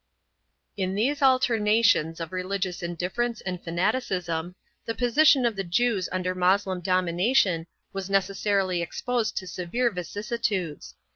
2 In these alternations of religious indifference and fanaticism, the position of the Jews under Moslem domination was neces sarily exposed to severe vicissitudes.